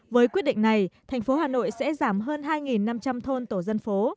với quyết định này thành phố hà nội sẽ giảm hơn hai năm trăm linh thôn tổ dân phố